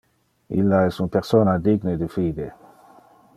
Illa es un persona digne de fide.